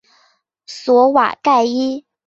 索瓦盖伊。